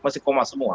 masih koma semua